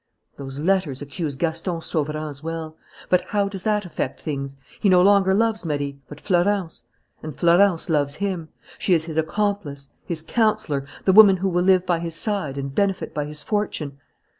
"Those letters accuse Gaston Sauverand as well. But how does that affect things? He no longer loves Marie, but Florence. And Florence loves him. She is his accomplice, his counsellor, the woman who will live by his side and benefit by his fortune....